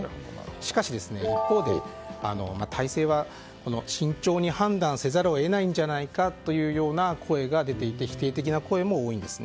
しかし、一方で大勢は慎重に判断せざるを得ないんじゃないかという声も出ていて否定的な声も多いんです。